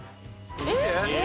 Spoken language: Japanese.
えっ？